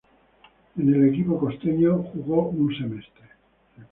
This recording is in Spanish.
En el equipo costeño, jugó por un semestre.